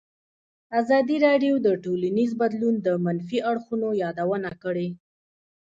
ازادي راډیو د ټولنیز بدلون د منفي اړخونو یادونه کړې.